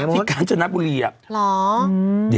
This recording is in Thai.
ที่กำชนะบุรีอ่ะ